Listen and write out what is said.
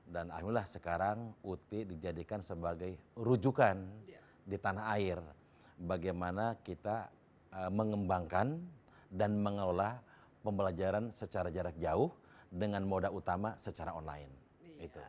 dan alhamdulillah sekarang ut dijadikan sebagai rujukan di tanah air bagaimana kita mengembangkan dan mengelola pembelajaran secara jarak jauh dengan moda utama secara online